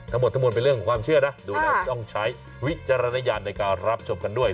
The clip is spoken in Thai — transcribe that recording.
ทั้งหมดทั้งมวลเป็นเรื่องของความเชื่อนะดูแล้วต้องใช้วิจารณญาณในการรับชมกันด้วย